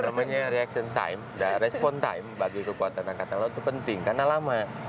namanya reaction time respon time bagi kekuatan angkatan laut itu penting karena lama